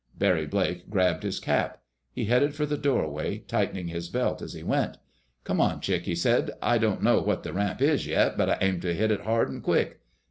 Barry Blake grabbed his cap. He headed for the doorway, tightening his belt as he went. "Come on, Chick," he said. "I don't know what the ramp is yet, but I aim to hit it hard and quick."